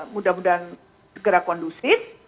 mudah mudahan segera kondusif